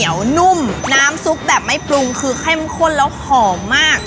หยุดไม่ได้ค่ะมื้อห้างวาง